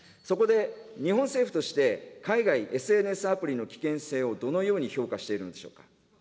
そこで、日本政府として、海外ＳＮＳアプリの危険性をどのように評価しているのでしょうか。